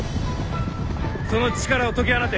その力を解き放て。